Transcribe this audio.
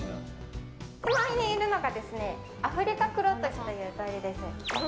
こちらにいるのがアフリカクロトキという鳥です。